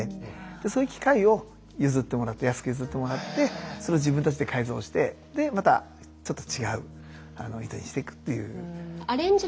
そういう機械を安く譲ってもらってそれを自分たちで改造してまたちょっと違う糸にしていくっていう。